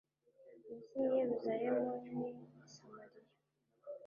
iby’i Yeruzalemu n’i Samariya,